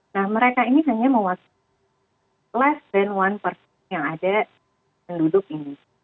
nah mereka ini hanya mewakili less than one person yang ada menduduk ini